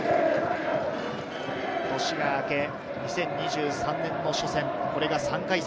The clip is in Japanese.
年が明け、２０２３年の初戦、これが３回戦。